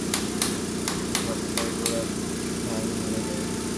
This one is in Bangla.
সাবধান হয়ে ভাই, ও-ল্যাজের ঝাপটায় ঘোড়ার ঠ্যাং ভেঙে যায়।